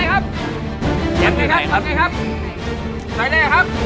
อย่า